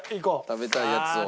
食べたいやつを。